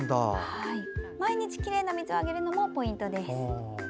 毎日きれいな水をあげるのもポイントです。